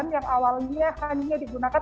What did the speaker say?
yang awalnya hanya digunakan